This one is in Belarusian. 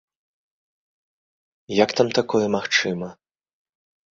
Як там такое магчыма?!